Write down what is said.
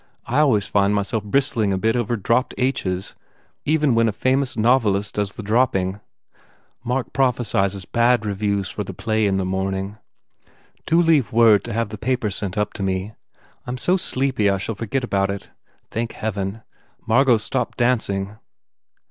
I always find myself bristling a bit over dropped H s even when a famous novelist does the drop ping. Mark prophesies bad reviews for the play, 232 BUBBLE in the morning. Do leave word to have the papers sent up to me. I m so sleepy I shall forget about it. Thank heaven, Margot s stopped dancing."